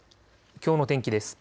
きょうの天気です。